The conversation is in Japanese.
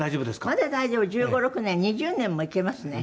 「まだ大丈夫」「１５１６年２０年もいけますね」